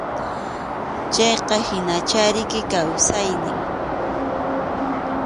Chayqa hinachá riki kawsayniy.